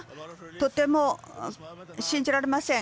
とても信じられません。